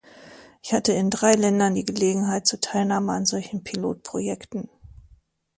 Ich hatte in drei Ländern die Gelegenheit zur Teilnahme an solchen Pilotprojekten.